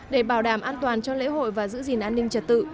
để bảo đảm an toàn cho lễ hội và giữ gìn an ninh trật tự